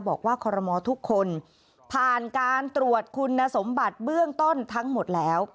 คอรมอทุกคนผ่านการตรวจคุณสมบัติเบื้องต้นทั้งหมดแล้ว